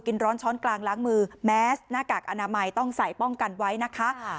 ร้อนช้อนกลางล้างมือแมสหน้ากากอนามัยต้องใส่ป้องกันไว้นะคะ